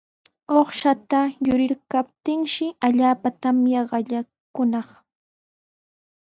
Uqshata quriykaptinshi allaapa tamya qallaykunaq.